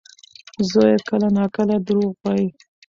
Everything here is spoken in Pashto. زوی یې کله ناکله دروغ وايي.